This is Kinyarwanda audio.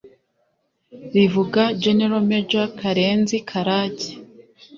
rivuga General-Major Karenzi Karake